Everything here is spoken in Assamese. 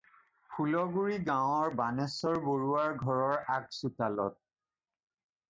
ফুলগুৰি গাঁৱৰ বাণেশ্বৰ বৰুৱাৰ ঘৰৰ আগচোতাল।